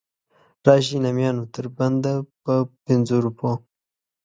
راشئ نامیانو تر بنده په پنځو روپو.